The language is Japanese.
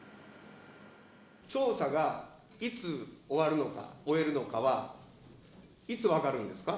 調査がいつ終わるのか、終えるのかは、いつ分かるんですか。